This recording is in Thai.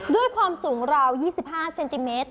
ด้วยความสูงราว๒๕เซนติเมตร